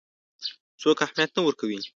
څوک اهمیت نه ورکوي.